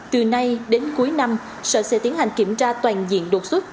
từ nay đến cuối năm sở sẽ tiến hành kiểm tra toàn diện đột xuất